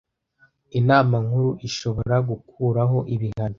Inama Nkuru ishobora gukuraho ibihano